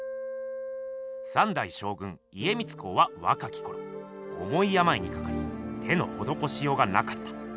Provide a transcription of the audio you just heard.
三代将軍家光公はわかきころおもいやまいにかかり手のほどこしようがなかった。